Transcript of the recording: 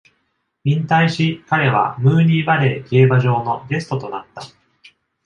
引退し、彼はムーニーヴァレー競馬場のゲストとなった。